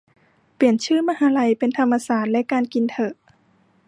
เปลี่ยนชื่อมหาลัยเป็นธรรมศาสตร์และการกินเถอะ